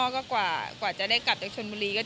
กลับมาก็เห็นลูกนอนน็อคอยู่บนเตียงแล้ว